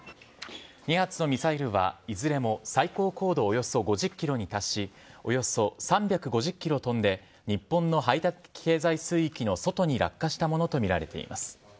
２発のミサイルはいずれも最高高度およそ５０キロに達し、およそ３５０キロ飛んで、日本の排他的経済水域の外に落下したものと見られています。